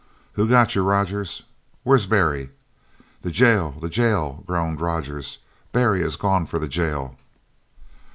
"Who got you, Rogers?" "Where's Barry?" "The jail, the jail!" groaned Rogers. "Barry has gone for the jail!"